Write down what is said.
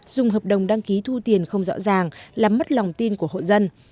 dùng hợp đồng đăng ký thu tiền không rõ ràng làm mất lòng tin của hộ dân